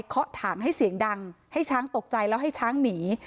ถังให้เสียงดังให้ช้างตกใจแล้วให้ช้างหนี